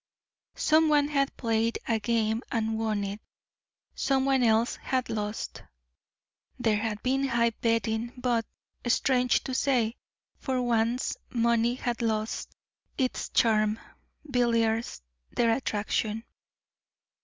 Some one had played a game and won it, some one else had lost; there had been high betting, but, strange to say, for once money had lost its charm billiards their attraction.